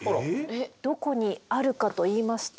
どこにあるかといいますと。